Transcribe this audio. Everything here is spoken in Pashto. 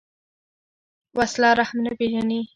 وسله رحم نه پېژني